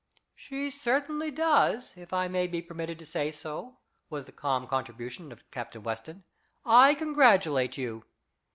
"She certainly does, if I may be permitted to say so," was the calm contribution of Captain Weston. "I congratulate you."